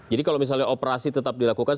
jadi kalau misalnya operasi tetap dilakukan